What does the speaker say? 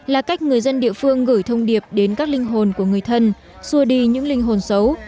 là cách người dân địa phương gửi thông điệp đến các linh hồn của người thân xua đi những linh hồn xấu